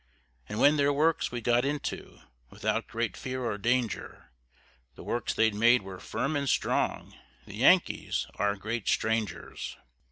And when their works we got into, Without great fear or danger, The works they'd made were firm and strong, The Yankees are great strangers.